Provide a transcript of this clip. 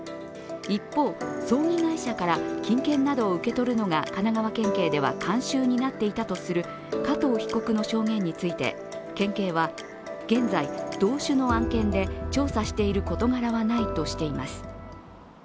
一方、葬儀会社から金券などを受け取るのが神奈川県警では慣習になっていたとする加藤被告の証言について県警は、現在、同種の案件で調査している事柄はないとしています。